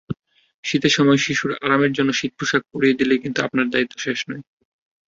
শীতের সময়ে শিশুর আরামের জন্য শীতপোশাক পরিয়ে দিলেই কিন্তু আপনার দায়িত্ব শেষ নয়।